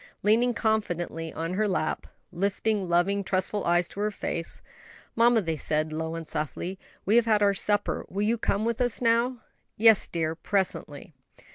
Leaning confidingly on her lap, lifting loving, trustful eyes to her face, "Mamma," they said, low and softly, "we have had our supper; will you come with us now?" "Yes, dear, presently."